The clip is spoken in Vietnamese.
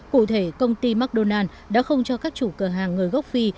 cụ thể công ty mcdonald s đã không cho các chủ cửa hàng người gốc phi